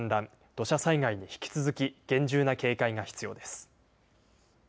土砂災害に引き続き厳重な警戒が必要です。